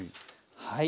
はい。